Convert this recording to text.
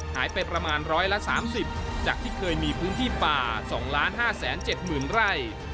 หายไปประมาณร้อยละสามสิบจากที่เคยมีพื้นที่ป่าสองล้านห้าแสนเจ็บหมื่นไร่